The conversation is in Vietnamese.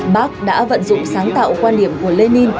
bác đã vận dụng sáng tạo quan điểm của lê ninh